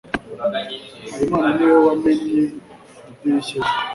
Habimana ni we wamennye idirishya ejo.